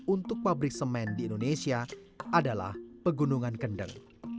untuk pabrik semen di indonesia adalah pegunungan kendeng